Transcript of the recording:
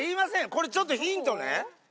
これ、ちょっとヒントね。